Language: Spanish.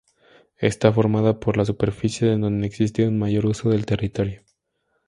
Está formada por las superficies en donde existe un mayor uso del territorio.